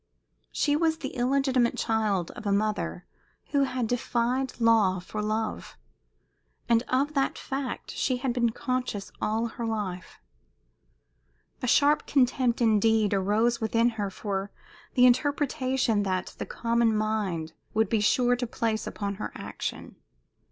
She was the illegitimate child of a mother who had defied law for love, and of that fact she had been conscious all her life. A sharp contempt, indeed, arose within her for the interpretation that the common mind would be sure to place upon her action.